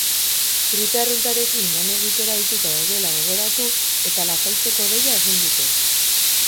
Gripe arruntarekin lan egitera ohituta daudela gogoratu eta lasaitzeko deia egin dute.